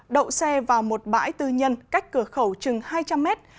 đậu xe vào một bãi tư nhân cách cửa khẩu chừng hai trăm linh mét